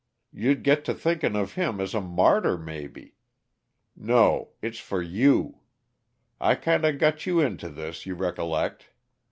You'd get to thinking of him as a martyr, maybe! No it's for you. I kinda got you into this, you recollect?